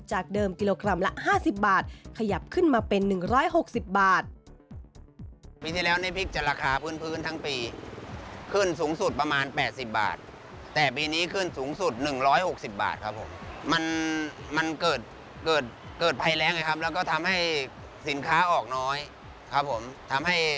เดิมกิโลกรัมละ๕๐บาทขยับขึ้นมาเป็น๑๖๐บาท